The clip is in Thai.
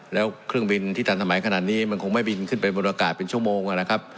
แล้วเครื่องบินที่ทันสมัยขนาดนี้มันคงไม่บินขึ้นไปบนอากาศเป็นชั่วโมงนะครับ